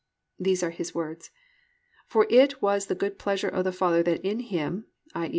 These are His words, +"For it was the good pleasure of the Father that in Him+ (i.e.